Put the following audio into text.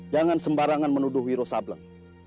jangan sembarangan menuduh wirosablen